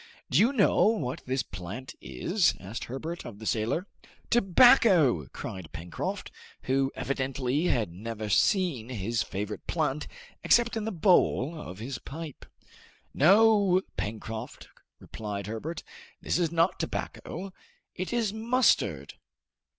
"Do you know what this plant is?" asked Herbert of the sailor. "Tobacco!" cried Pencroft, who evidently had never seen his favorite plant except in the bowl of his pipe. "No, Pencroft," replied Herbert; "this is not tobacco, it is mustard."